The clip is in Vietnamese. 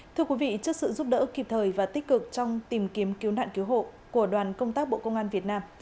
thưa quý vị trước sự giúp đỡ kịp thời và tích cực trong tìm kiếm cứu nạn cứu hộ của đoàn công tác bộ công an việt nam